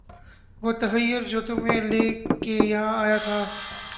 وُہ تحیّر جو تُمھیں لے کے یہاں آیا تھا